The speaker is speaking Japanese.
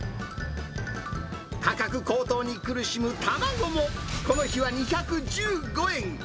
価格高騰に苦しむ卵も、この日は２１５円。